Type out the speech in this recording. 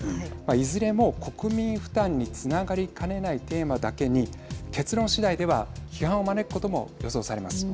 いずれも国民負担につながりかねないテーマだけに結論しだいでは批判を招くことも予想されます。